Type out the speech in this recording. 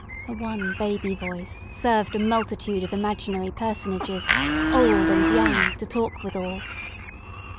Her one baby voice served a multitude of imaginary personages, old and young, to talk withal.